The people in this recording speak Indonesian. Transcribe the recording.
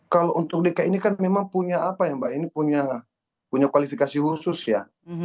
kalau untuk dki ini kan memang punya apa ya mbak ini punya kualifikasi khusus ya